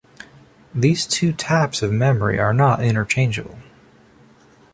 These two types of memory are not interchangeable.